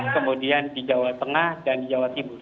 kemudian di jawa tengah dan di jawa timur